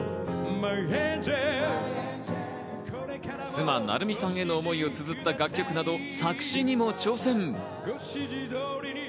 妻・成美さんへの思いをつづった楽曲など作詞にも挑戦。